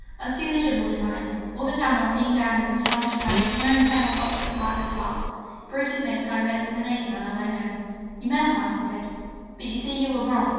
I was too miserable to mind: all the time I was seeing Diana's astonished eyes, hearing Colonel Cockshott's heartless laugh. Brutus made a kind of explanation on our way home: 'You meant well,' he said, 'but you see you were wrong.